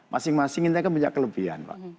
masing masing ini akan punya kelebihan mbak